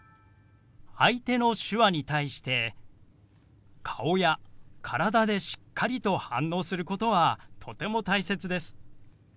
相手の手話に対して顔や体でしっかりと反応することはとても大切です。